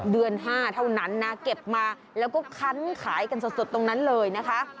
เดือน๕เท่านั้นนะเก็บมาแล้วก็คันขายกันสดตรงนั้นเลยนะคะ